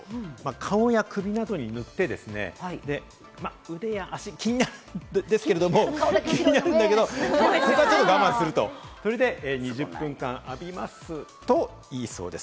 顔や首などに塗って、腕や足、気になるんですけれども、ここはちょっと我慢すると、それで２０分間浴びますと良いそうです。